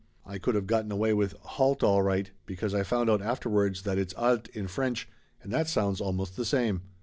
I could have gotten away with 'halt' all right, because I found out afterwards that it's 'halte' in French and that sounds almost the same."